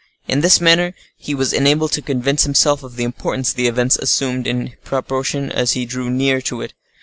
In this manner, he was enabled to convince himself of the importance the event assumed in proportion as he drew near to it.